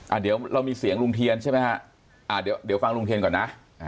เดี๋ยวเรามีเสียงลุงเทียนใช่ไหมฮะอ่าเดี๋ยวเดี๋ยวฟังลุงเทียนก่อนนะ